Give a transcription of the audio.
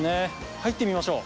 入ってみましょう。